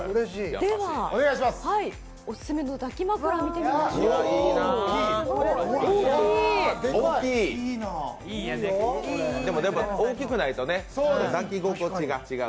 オススメの抱き枕、見てみましょう。